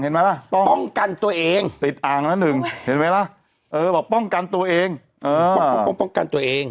เห็นไหมล่ะต้องกันตัวเองติดอ่างละหนึ่งเห็นไหมล่ะเออบอกป้องกันตัวเอง